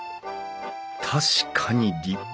確かに立派。